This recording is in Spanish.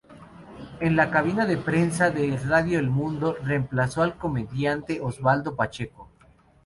En la cabina de prensa de Radio El Mundo, reemplazó al comediante Osvaldo Pacheco.